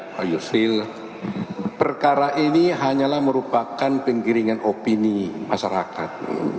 pak yusril perkara ini hanyalah merupakan penggiringan opini masyarakat